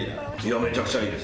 めちゃくちゃいいです